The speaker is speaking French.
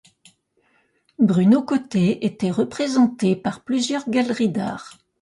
Bruno Côté était représenté par plusieurs galeries d'art.